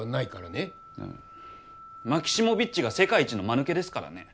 マキシモヴィッチが世界一のまぬけですからね。